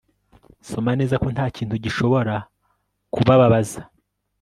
Soma neza ko ntakintu gishobora kubabaza